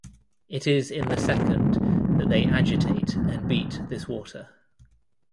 It is in the second that they agitate and beat this water.